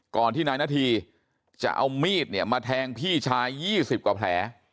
ที่นายนาธีจะเอามีดเนี่ยมาแทงพี่ชาย๒๐กว่าแผล